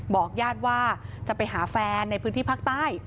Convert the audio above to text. ญาติว่าจะไปหาแฟนในพื้นที่ภาคใต้